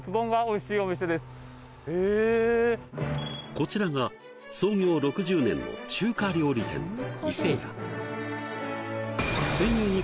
こちらが創業６０年の中華料理店伊勢屋